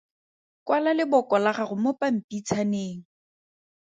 Kwala leboko la gago mo pampitshaneng.